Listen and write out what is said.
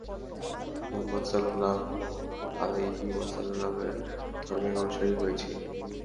মুহাম্মদ সাল্লাল্লাহু আলাইহি ওয়াসাল্লামের ধর্মের অনুসারী হয়েছি।